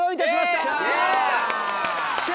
よっしゃ！